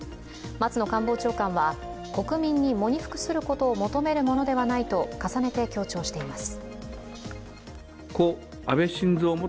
松野官房長官は国民に喪に服することを求めるものではないと重ねて強調しています。